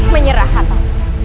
menyerah atau tidak